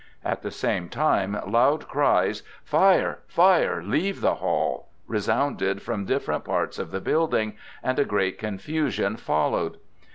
At the same time loud cries: "Fire! Fire! Leave the hall!" resounded from different parts of the building, and a great confusion followed.